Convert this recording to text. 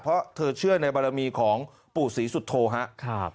เพราะเธอเชื่อในบารมีของปู่ศรีสุโธครับ